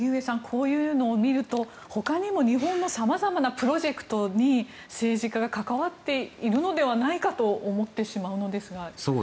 こういうのを見るとほかにも日本の様々なプロジェクトに政治家が関わっているのではないかと思ってしまうのですが。